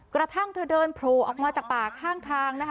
กระทั่งเธอเดินโผล่ออกมาจากป่าข้างทางนะคะ